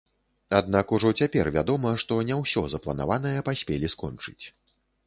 Аднак ужо цяпер вядома, што не ўсё запланаванае паспелі скончыць.